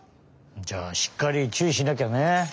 じゃあしっかりちゅういしなきゃね。